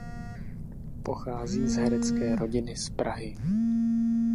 Pochází z herecké rodiny z Prahy.